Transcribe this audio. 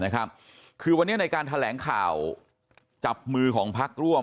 คือวันนี้ในการแถลงข่าวจับมือของพักร่วม